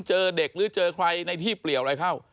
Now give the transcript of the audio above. เจอเด็กหรือเจอใครในที่เปลี่ยวอะไรเข้า